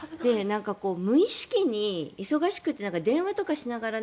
無意識に忙しくて電話とかしながら